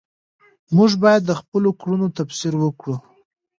موږ باید د خپلو کړنو تفسیر وکړو.